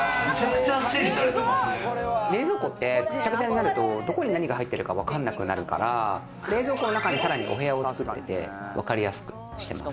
冷蔵庫ってぐちゃぐちゃになると、どこに何が入ってるか分かんなくなるから、冷蔵庫の中にさらにお部屋を作ってわかりやすくしています。